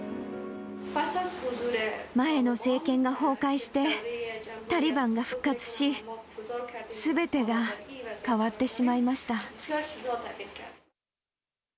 前の政権が崩壊して、タリバンが復活し、すべてが変わってしまいました。